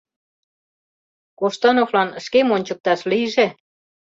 Коштановлан шкем ончыкташ лийже.